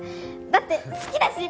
だって好きだし！